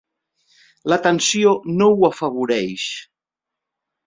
La tensió no ho afavoreix.